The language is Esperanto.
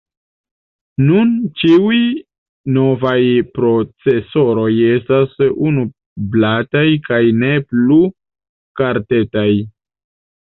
Nun ĉiuj novaj procesoroj estas unu-blataj kaj ne plu kartetaj.